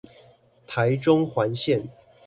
台中環線